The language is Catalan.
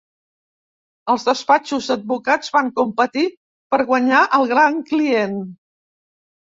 Els despatxos d'advocats van competir per guanyar el gran client.